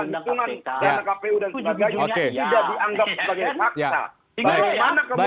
saya sudah menganggap sebagai masalah